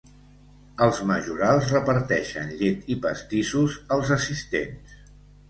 Els majorals reparteixen llet i pastissos als assistents.